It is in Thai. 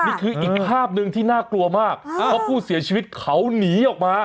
นี่คืออีกภาพหนึ่งที่น่ากลัวมากเพราะผู้เสียชีวิตเขาหนีออกมา